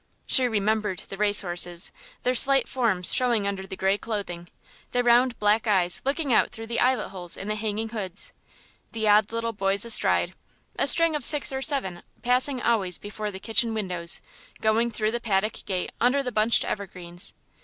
She remembered the race horses, their slight forms showing under the grey clothing, the round black eyes looking out through the eyelet holes in the hanging hoods, the odd little boys astride a string of six or seven passing always before the kitchen windows, going through the paddock gate under the bunched evergreens.